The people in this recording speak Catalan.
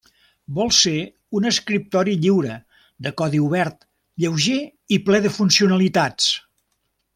Vol ser un escriptori lliure, de codi obert, lleuger i ple de funcionalitats.